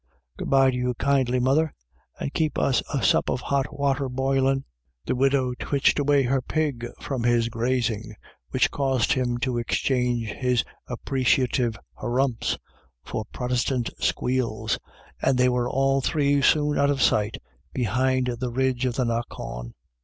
Good bye to you kindly, mother; and keep us a sup of hot water boilin'." The widow twitched away her pig from his grazing, which caused him to exchange his appre ciative hrumphs for protestant squeals, and they 26a IRISH IDYLLS. were all three soon out of sight behind the ridge of the knockawn.